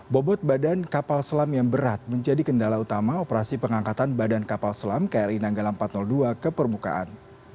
bobot badan kapal selam yang berat menjadi kendala utama operasi pengangkatan badan kapal selam kri nanggala empat ratus dua ke permukaan